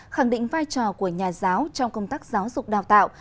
khẳng định vai trò của nhà giáo trong công tác giáo dục đào tạo